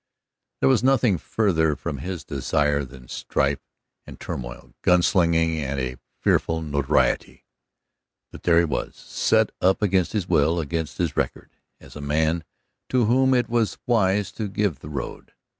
There was nothing farther from his desire than strife and turmoil, gun slinging and a fearful notoriety. But there he was, set up against his will, against his record, as a man to whom it was wise to give the road.